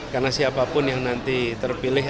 karena siapapun yang nanti terpilih